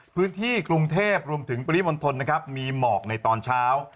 พื้นที่กรุงเทพรวมถึงปริมณฑลนะครับมีหมอกในตอนเช้า